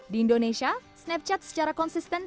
di indonesia snapchat secara konsisten